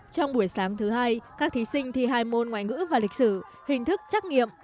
trong buổi sáng thứ hai các thí sinh thi hai môn ngoại ngữ và lịch sử hình thức trắc nghiệm